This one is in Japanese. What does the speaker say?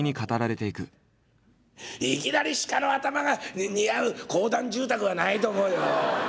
「いきなり鹿の頭が似合う公団住宅はないと思うよ。